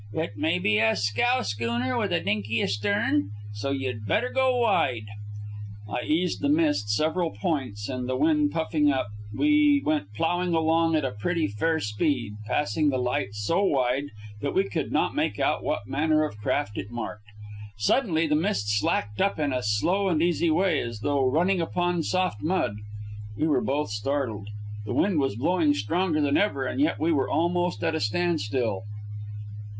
It may be a scow schooner with a dinky astern, so you'd better go wide." I eased the Mist several points, and, the wind puffing up, we went plowing along at a pretty fair speed, passing the light so wide that we could not make out what manner of craft it marked. Suddenly the Mist slacked up in a slow and easy way, as though running upon soft mud. We were both startled. The wind was blowing stronger than ever, and yet we were almost at a standstill.